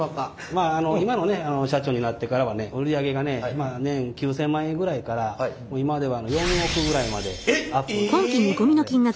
まあ今のね社長になってからはね売り上げがね年９，０００万円ぐらいから今では４億ぐらいまでアップしましたので。